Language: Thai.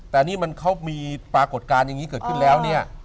แต่นี่มันเขามีปรากฏการณ์อย่างนี้เกิดขึ้นแล้วเนี่ย